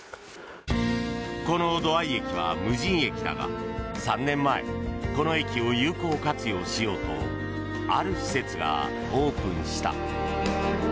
この土合駅は無人駅だが３年前この駅を有効活用しようとある施設がオープンした。